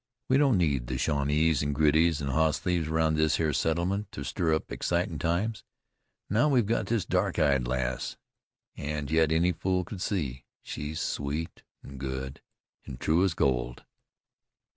We don't need the Shawnees an' Girtys, an' hoss thieves round this here settlement to stir up excitin' times, now we've got this dark eyed lass. An' yet any fool could see she's sweet, an' good, an' true as gold."